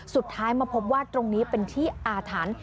สุดท้ายมาพบว่าตรงนี้เป็นที่อาถรรพ์